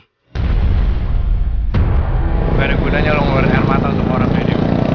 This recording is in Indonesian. gak ada gunanya lo ngeluarin armata untuk orang video